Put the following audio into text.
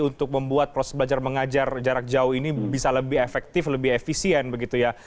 untuk membuat proses belajar mengajar jarak jauh ini bisa lebih efektif lebih efisien begitu ya